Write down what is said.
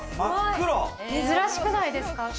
珍しくないですか。